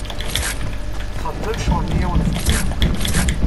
Txedmem ccɣel-nni i awen-fkiɣ?